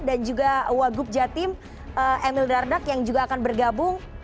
dan juga wagub jatim emil rardak yang juga akan bergabung